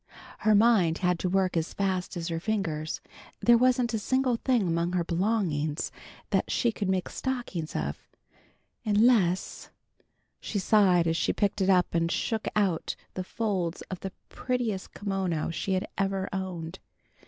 Her mind had to work as fast as her fingers. There wasn't a single thing among her belongings that she could make stockings of, unless she sighed as she picked it up and shook out the folds of the prettiest kimono she had ever owned.